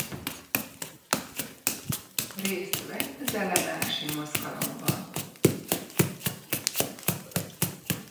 Részt vett az ellenállási mozgalomban.